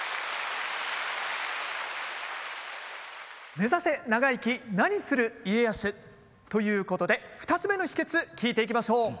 「目指せ長生き何する家康」ということで２つ目の秘訣聞いていきましょう。